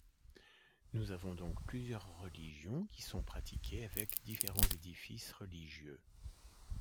Nous avons donc plusieurs religions qui sont pratiquées avec différents édifices religieux.